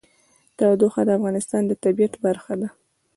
تودوخه د افغانستان د طبیعت برخه ده.